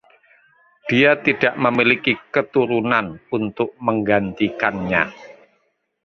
Dia tidak memiliki keturunan untuk menggantikannya.